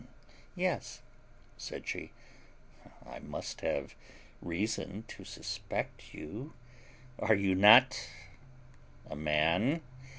"Yes," said she, "I must have reason to suspect you. Are you not a man?